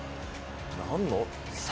何の？